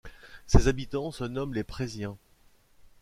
Ses habitants se nomment les Preziens.